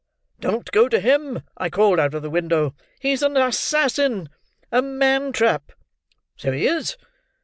'Don't go to him,' I called out of the window, 'he's an assassin! A man trap!' So he is.